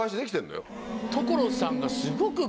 所さんがすごく。